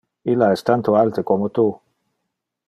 Illa es tanto alte como te.